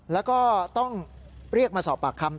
แล้วก็ต้องเรียกมาสอบปากคำ